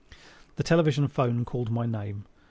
The television 'phone called my name.